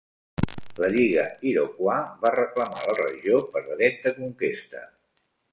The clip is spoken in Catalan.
La Lliga Iroquois va reclamar la regió per dret de conquesta.